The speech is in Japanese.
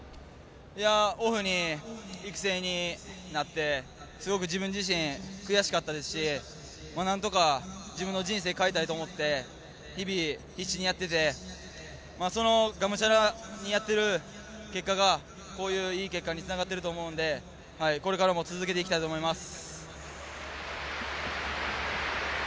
オフに育成になってすごく自分自身悔しかったですしなんとか自分の人生を変えたいと思って日々、必死にやっててがむしゃらにやっている結果がいい結果につながっていると思うのでこれからも続けていきたいと思います。